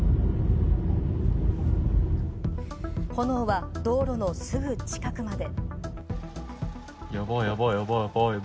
炎は道路のすぐ近くまで。